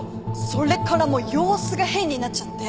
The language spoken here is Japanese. それからもう様子が変になっちゃって。